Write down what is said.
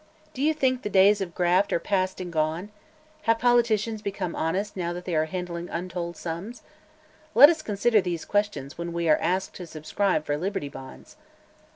Do you think the days of graft are past and gone? Have politicians become honest now that they are handling untold sums? Let us consider these questions when we are asked to subscribe for Liberty Bonds."